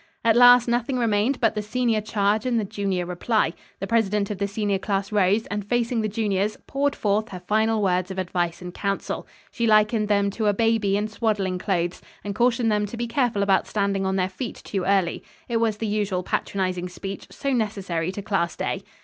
At last nothing remained but the senior charge and the junior reply. The president of the senior class rose, and facing the juniors poured forth her final words of advice and counsel. She likened them to a baby in swaddling clothes, and cautioned them to be careful about standing on their feet too early. It was the usual patronizing speech so necessary to class day.